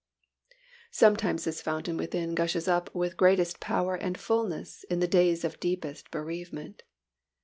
Sometimes this fountain within gushes up with greatest power and fullness in the days of deepest bereavement.